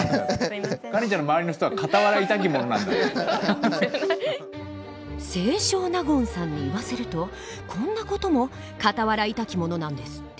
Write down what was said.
カレンちゃんの周りの人は清少納言さんに言わせるとこんな事もかたはらいたきものなんですって。